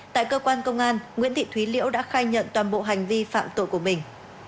tại cơ quan công an nguyễn thị thúy liễu đã khai nhận toàn bộ hành vi phạm tội của mình